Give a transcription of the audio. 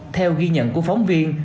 theo ghi nhận của phóng viên